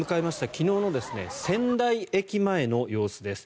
昨日の仙台駅前の様子です。